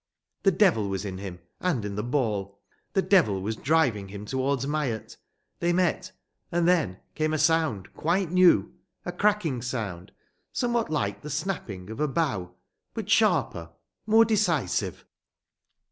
The devil was in him and in the ball. The devil was driving him towards Myatt. They met. And then came a sound quite new: a cracking sound, somewhat like the snapping of a bough, but sharper, more decisive.